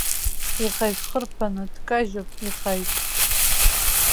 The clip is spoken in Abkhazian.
Ихажә хырԥаны дкажьуп, ихажә!